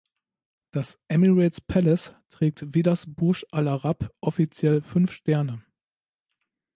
Das Emirates Palace trägt wie das Burj al Arab offiziell fünf Sterne.